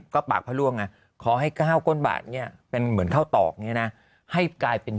ก็ปากพระร่วงไงขอให้๙ก้นบาทเนี่ยเป็นเหมือนข้าวตอกเนี่ยนะให้กลายเป็น